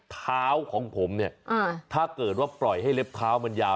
เท้าของผมเนี่ยถ้าเกิดว่าปล่อยให้เล็บเท้ามันยาว